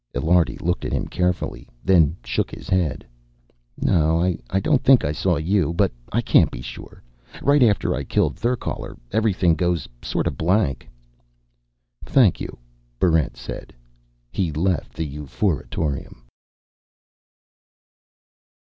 Illiardi looked at him carefully, then shook his head. "No, I don't think I saw you. But I can't be sure. Right after I killed Therkaler, everything goes sort of blank." "Thank you," Barrent said. He left the Euphoriatorium.